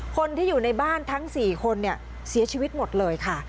คนที่อยู่ในบ้านทั้ง๔คนเสียชีวิตหมดเลยค่ะ